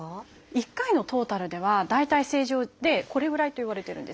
１回のトータルでは大体正常でこれぐらいといわれてるんです。